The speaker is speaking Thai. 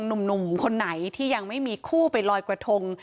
หนุ่มคนไหนที่ยังไม่มีคู่ไปลอยกระทง